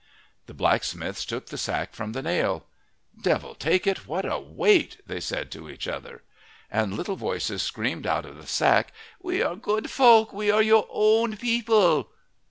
The blacksmiths took the sack from the nail. "Devil take it, what a weight," they said to each other. And little voices screamed out of the sack: "We are good folk. We are your own people."